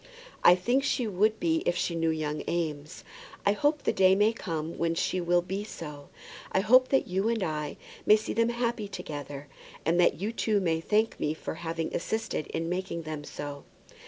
"I think she would be if she knew young Eames. I hope the day may come when she will be so. I hope that you and I may see them happy together, and that you too may thank me for having assisted in making them so.